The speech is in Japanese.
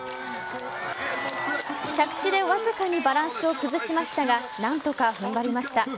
着地でわずかにバランスを崩しましたが何とか踏ん張りました。